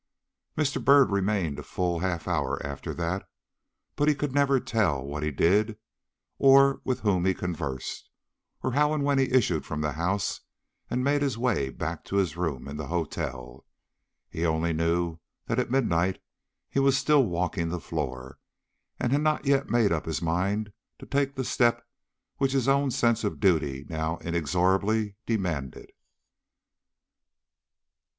Mr. Byrd remained for a full half hour after that, but he never could tell what he did, or with whom he conversed, or how or when he issued from the house and made his way back to his room in the hotel. He only knew that at midnight he was still walking the floor, and had not yet made up his mind to take the step which his own sense of duty now inexorably demanded.